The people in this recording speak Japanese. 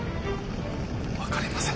分かりませぬ。